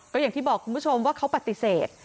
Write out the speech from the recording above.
ก็อย่างที่บอกคุณผู้ชมว่าเขาปฏิเสธ